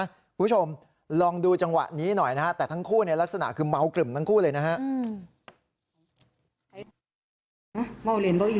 คุณผู้ชมลองดูจังหวะนี้หน่อยนะฮะแต่ทั้งคู่เนี่ยลักษณะคือเมากริ่มทั้งคู่เลยนะฮะ